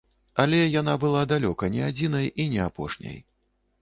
Але яна была далёка не адзінай і не апошняй.